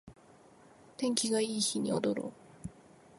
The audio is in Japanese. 天気がいい日に踊ろう